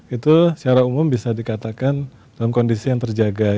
itu secara umum bisa dikatakan dalam kondisi yang terjaga